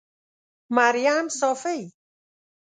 مريم صافۍ